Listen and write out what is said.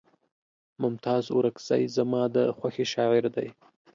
ممتاز اورکزے زما د خوښې شاعر دے